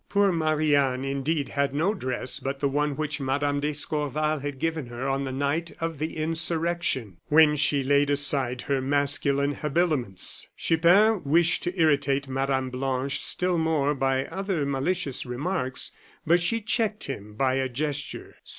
Poor Marie Anne, indeed, had no dress but the one which Mme. d'Escorval had given her on the night of the insurrection, when she laid aside her masculine habiliments. Chupin wished to irritate Mme. Blanche still more by other malicious remarks, but she checked him by a gesture.